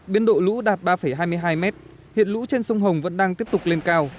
biên độ lũ đạt ba hai mươi hai m hiện lũ trên sông hồng vẫn đang tiếp tục lên cao